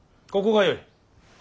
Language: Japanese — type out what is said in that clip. ここがよい。